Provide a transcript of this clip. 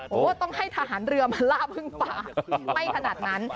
โอ้โหต้องให้ทหารเรือมาล่าพึ่งป่าไม่ขนาดนั้น